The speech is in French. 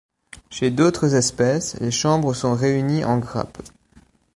Chez d'autres espèces, les chambres sont réunies en grappes.